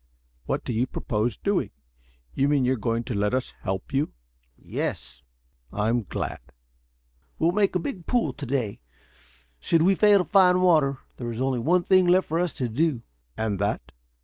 "What do you propose doing? You mean you're going to let us help you?" "Yes." "I'm glad." "We'll make a big pull to day. Should we fail to find water there is only one thing left for us to do." "And that?"